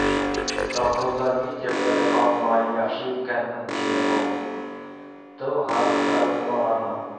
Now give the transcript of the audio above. Колхоздан ит яҙҙырып алмай яҡшы иткәнһең, - тине ул. - Тыу һарыҡты алып ҡалғанмын.